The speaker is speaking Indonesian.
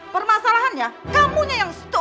permasalahan itu gak akan berhasil ya